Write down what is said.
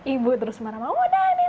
ibu terus marah oh udah ini lah